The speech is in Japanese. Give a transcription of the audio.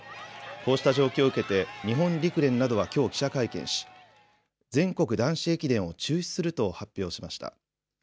こうした状況を受けて日本陸連などはきょう記者会見し、全国男子駅伝を中止すると発表しました。